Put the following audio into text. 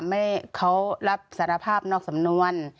ไม่เขารับสารภาพนอกสำนวน